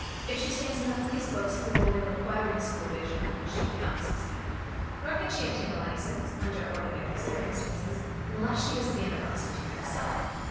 If she stands in the police books as a woman requiring supervision, she can not succeed. Nor can she obtain a license, under ordinary circumstances, unless she has been a prostitute herself.